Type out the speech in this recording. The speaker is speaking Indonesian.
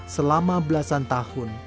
selama belasan tahun